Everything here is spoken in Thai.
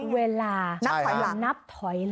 เวลานับถอยหลัง